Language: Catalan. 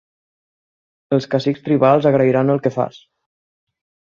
Els cacics tribals agrairan el que fas.